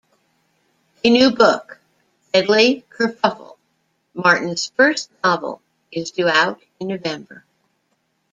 A new book, "Deadly Kerfuffle", Martin's first novel, is due out in November.